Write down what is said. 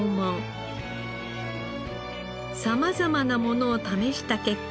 様々なものを試した結果